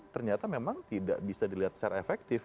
ternyata memang tidak bisa dilihat secara efektif